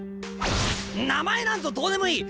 名前なんぞどうでもいい！